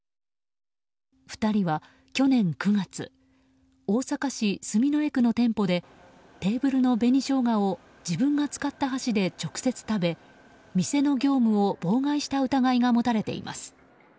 ２人は去年９月大阪市住之江区の店舗でテーブルの紅ショウガを自分が使った箸で直接食べ店の業務を妨害した疑いが持たれています。